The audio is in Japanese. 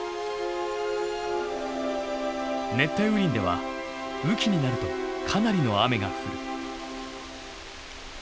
熱帯雨林では雨季になるとかなりの雨が降る。